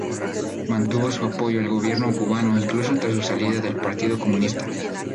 Mantuvo su apoyo al gobierno cubano incluso tras su salida del Partido Comunista.